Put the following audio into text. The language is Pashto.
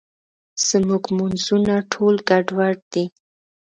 زموږ مونځونه ټول ګډوډ دي.